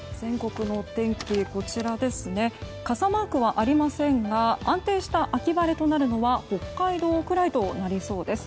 傘マークはありませんが安定した秋晴れとなるのは北海道くらいとなりそうです。